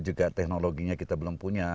juga teknologinya kita belum punya